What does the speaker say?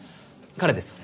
彼です。